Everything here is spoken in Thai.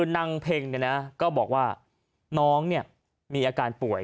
ห้องเพ็งนะก็บอกว่าน้องเนี่ยมีอาการป่วย